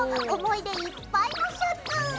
思い出いっぱいのシャツ！